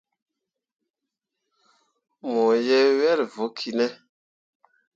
Mo ye wel vokki ne.